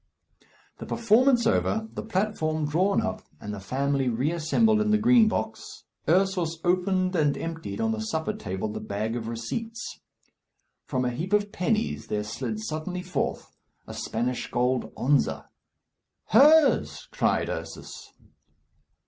The performance over, the platform drawn up, and the family reassembled in the Green Box, Ursus opened and emptied on the supper table the bag of receipts. From a heap of pennies there slid suddenly forth a Spanish gold onza. "Hers!" cried Ursus.